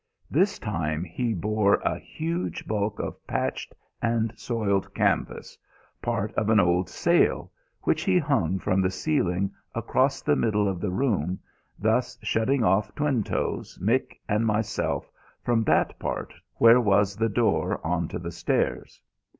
This time he bore a huge bulk of patched and soiled canvas, part of an old sail, which he hung from the ceiling across the middle of the room, thus shutting off Twinetoes, Mick and myself from that part where was the door on to the stairs.